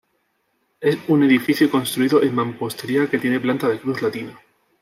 Es un edificio construido en mampostería que tiene planta de cruz latina.